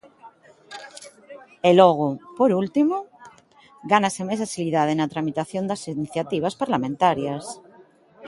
E logo, por último, gánase máis axilidade na tramitación das iniciativas parlamentarias.